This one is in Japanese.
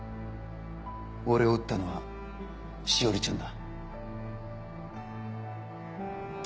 俺を撃ったのは詩織ちゃんだ。